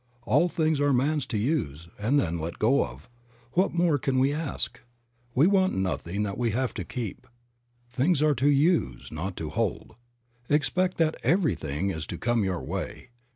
All things are man's to use and then let go of. What more can we ask? We want nothing that we have to keep ; things are to use not to hold. Expect that everything is to come your way.